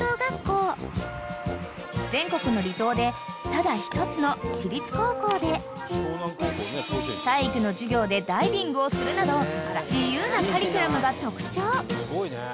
［全国の離島でただ一つの私立高校で体育の授業でダイビングをするなど自由なカリキュラムが特徴］